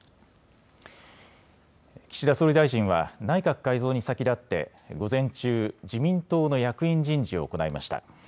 岸田総理大臣は、内閣改造に先立って、午前中、自民党の役員人事を行いました。